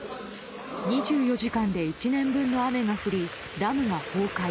２４時間で１年分の雨が降りダムが崩壊。